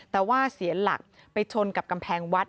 แต่ว่าเสียหลักไปชนกับกำแพงวัด